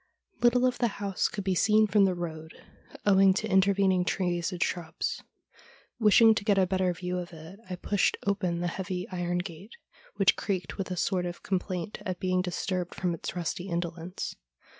Little of the house could be seen from the road, owing to intervening trees and shrubs. Wishing to get a better view of it, I pushed open the heavy iron gate, which creaked with a sort of com plaint at being disturbed from its rusty indolence.